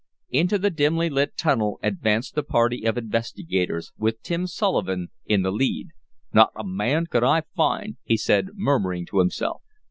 Into the dimly lit tunnel advanced the party of investigators, with Tim Sullivan in the lead. "Not a man could I find!" he said, murmuring to himself.